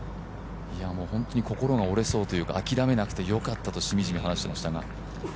本当に心が折れそうというか、諦めなくてよかったとしみじみ話していましたが。